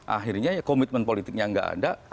akhirnya komitmen politiknya nggak ada